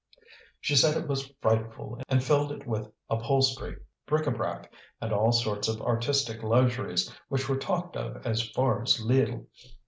She said it was frightful, and filled it with upholstery, bric a brac, and all sorts of artistic luxuries which were talked of as far as Lille.